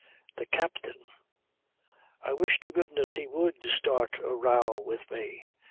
"The captain. I wish to goodness he would start a row with me.